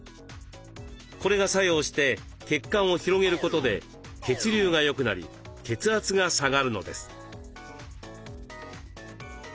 これが作用して血管を広げることで血流がよくなり血圧が下がるのです。